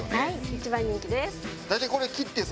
一番人気です。